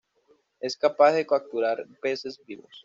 Es capaz de capturar peces vivos.